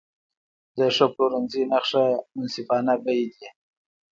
د ښه پلورنځي نښه منصفانه بیې دي.